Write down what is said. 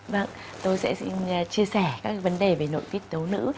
vâng tôi sẽ chia sẻ các vấn đề về nội tiết tấu nữ